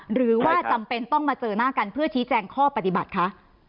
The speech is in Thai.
หรือว่าจำเป็นต้องมาเจอหน้ากันเพื่อชี้แจงข้อปฏิบัติคะ